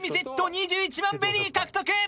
２１万ベリー獲得。